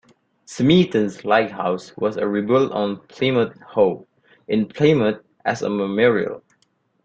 Smeaton's lighthouse was rebuilt on Plymouth Hoe, in Plymouth, as a memorial.